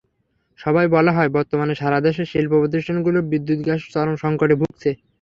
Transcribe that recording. সভায় বলা হয়, বর্তমানে সারা দেশে শিল্পপ্রতিষ্ঠানগুলো বিদ্যুৎ-গ্যাসের চরম সংকটে ভুগছে।